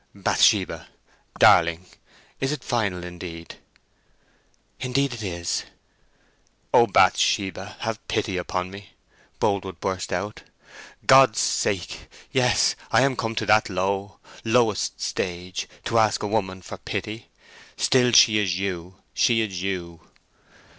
"Bathsheba—darling—is it final indeed?" "Indeed it is." "Oh, Bathsheba—have pity upon me!" Boldwood burst out. "God's sake, yes—I am come to that low, lowest stage—to ask a woman for pity! Still, she is you—she is you."